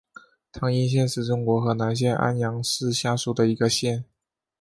汤阴县是中国河南省安阳市下属的一个县。